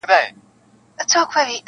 ما یې د جلال او د جمال نښي لیدلي دي,